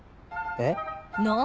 えっ？